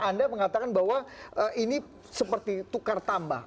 anda mengatakan bahwa ini seperti tukar tambah